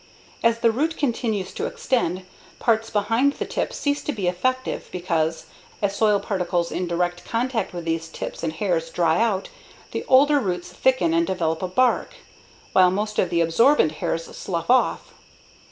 As the root continues to extend, parts behind the tip cease to be effective because, as soil particles in direct contact with these tips and hairs dry out, the older roots thicken and develop a bark, while most of the absorbent hairs slough off.